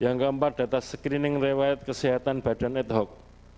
yang keempat data screening rewet kesehatan badan ad hoc